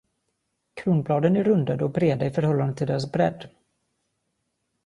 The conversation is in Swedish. Kronbladen är rundade och breda i förhållande till deras bredd.